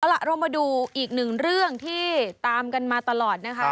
เอาล่ะเรามาดูอีกหนึ่งเรื่องที่ตามกันมาตลอดนะคะ